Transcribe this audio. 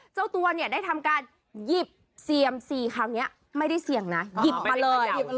เจ้าตัวเนี่ยได้ทำการหยิบเซียมซีครั้งนี้ไม่ได้เสี่ยงนะหยิบมาเลย